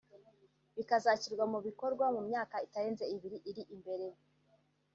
bikazashyirwa mu bikorwa mu myaka itarenze ibiri iri imbere